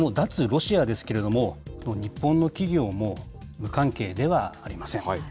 ロシアですけれども、日本の企業も無関係ではありません。